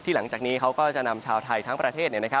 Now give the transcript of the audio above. หลังจากนี้เขาก็จะนำชาวไทยทั้งประเทศ